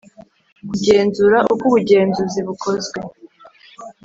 Kugenzura uko ubugenzuzi bukozwe